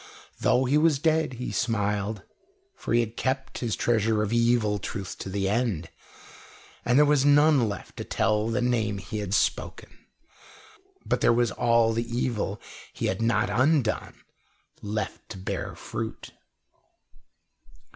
Though he was dead, he smiled, for he had kept his treasure of evil truth to the end, and there was none left to tell the name he had spoken, but there was all the evil he had not undone left to bear fruit.